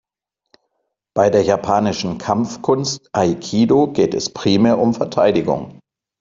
Bei der japanischen Kampfkunst Aikido geht es primär um Verteidigung.